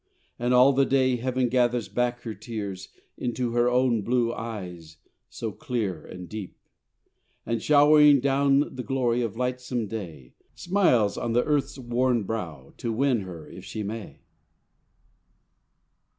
And all the day heaven gathers back her tears Into her own blue eyes so clear and deep, And showering down the glory of lightsome day, Smiles on the earth's worn brow to win her if she may.